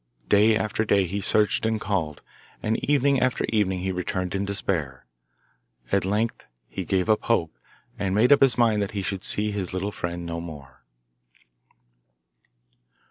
Day after day he searched and called; and evening after evening he returned in despair. At length he gave up hope, and made up his mind that he should see his little friend no more.